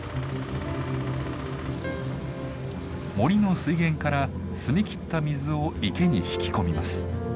森の水源から澄み切った水を池に引き込みます。